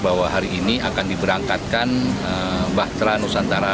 bahwa hari ini akan diberangkatkan mbah teranusantara